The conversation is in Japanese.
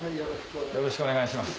よろしくお願いします。